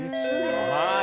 はい。